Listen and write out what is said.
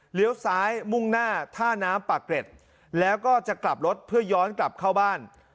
ซ้ายมุ่งหน้าท่าน้ำปากเกร็ดแล้วก็จะกลับรถเพื่อย้อนกลับเข้าบ้าน